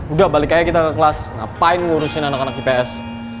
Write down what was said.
udah balik aja kita kelas ngapain ngurusin anak anak ips